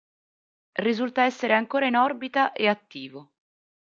Risulta essere ancora in orbita e attivo.